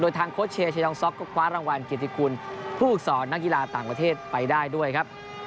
ทางโค้ชเชียร์เชดองซ็อกก็คว้ารางวัลกิติคุณผู้ฝึกสอนนักกีฬาต่างประเทศไปได้ด้วยครับ